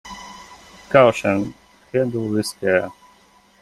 Caution, Handle with care.